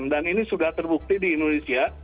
dan ini sudah terbukti di indonesia